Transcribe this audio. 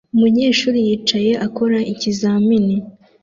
Umunyeshuri yicaye akora ikizamini